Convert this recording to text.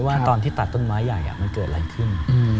ว่าตอนที่ตัดต้นไม้ใหญ่มันเกิดอะไรขึ้น